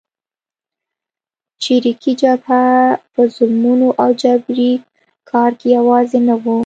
چریکي جبهه په ظلمونو او جبري کار کې یوازې نه وه.